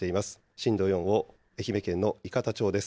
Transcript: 震度４を愛媛県の伊方町です。